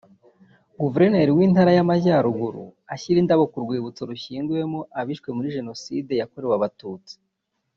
Guverineri w’Intara y’Amajyaruguru ashyira indabo ku rwibutso rushyinguyemo abishwe muri Jenoside yakorewe Abatutsi